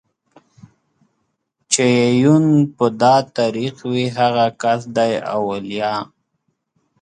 چې يې يون په دا طريق وي هغه کس دئ اوليا